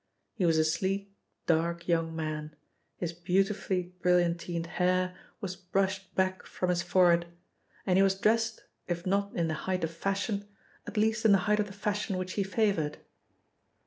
He was a sleek, dark, young man, his beautifully brilliantined hair was brushed back from his forehead, and he was dressed, if not in the height of fashion, at least in the height of the fashion which he favoured.